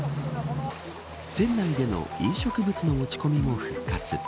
船内での飲食物の持ち込みも復活。